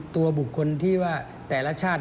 ตัวบุคคลที่ว่าแต่ละชาติ